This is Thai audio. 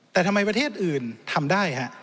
แต่ทำไมประเทศอื่นทำได้ฮะ